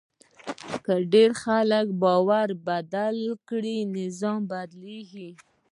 که ډېر خلک باور بدل کړي، نظم بدلېږي.